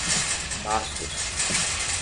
Bastos